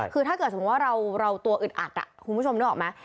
คือถ้าเกิดสมมุติว่าเราตัวอึดอัดคุณผู้ชมนึกออกไหม